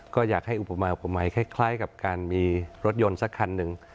ก็อยากให้อุปมาผมไหมคล้ายกับการมีรถยนต์สักคันหนึ่ง